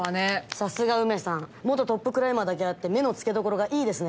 さすがウメさん元トップクライマーだけあって目の付けどころがいいですね。